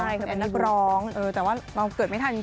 ใช่เคยเป็นนักร้องแต่ว่าเราเกิดไม่ทันจริง